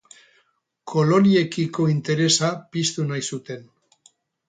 Koloniekiko interesa piztu nahi zuten.